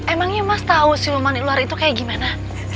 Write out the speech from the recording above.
emangnya mas tahu siluman ular itu kayak gimana